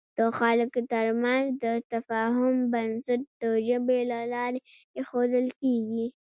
د خلکو تر منځ د تفاهم بنسټ د ژبې له لارې اېښودل کېږي.